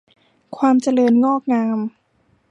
ความเจริญงอกงาม